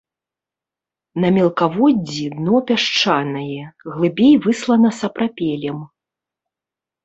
На мелкаводдзі дно пясчанае, глыбей выслана сапрапелем.